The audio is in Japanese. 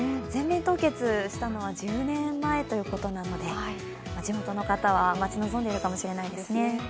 全面凍結したのは１０年前ということなので初めての方は待ち望んでいるかもしれないですね。